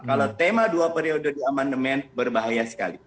kalau tema dua periode di amandemen berbahaya sekali